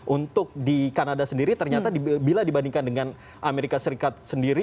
untuk di kanada sendiri ternyata bila dibandingkan dengan amerika serikat sendiri